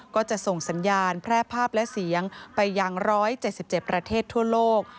ก็จะส่งสัญญาณแพร่ภาพและเสียงไปอย่าง๑๗๗ประเทศทั่วโลก